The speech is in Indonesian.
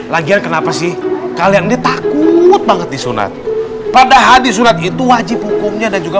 lagian kenapa sih kalian dia takut banget disunat padahal disulit itu wajib hukumnya dan juga